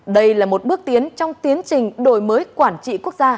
đây là một bước tiến trong tiến trình đổi mới quản trị quốc gia